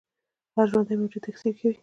هر ژوندی موجود تکثیر کوي